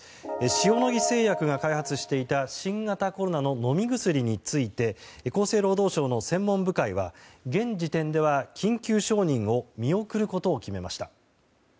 塩野義製薬が開発していた新型コロナの飲み薬について厚生労働省の専門部会は現時点では緊急承認を見送ることを決めました。